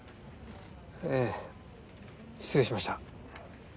ええ失礼しました。